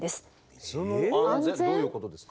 水の安全どういうことですか？